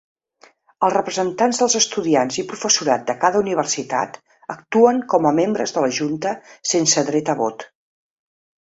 Els representants dels estudiants i professorat de cada universitat actuen com a membres de la junta sense dret a vot.